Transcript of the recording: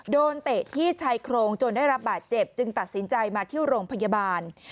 เตะที่ชายโครงจนได้รับบาดเจ็บจึงตัดสินใจมาที่โรงพยาบาล